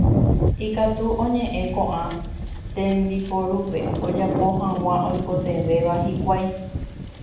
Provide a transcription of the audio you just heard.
ikatu oñe'ẽ ko'ã tembiporúpe ojapo hag̃ua oikotevẽva hikuái.